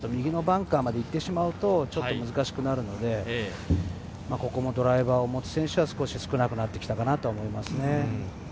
フェアウエーは見えないので、今の選手ですと右のバンカーまで行ってしまうとちょっと難しくなるので、ここもドライバーを持つ選手は少なくなってきたかなと思います。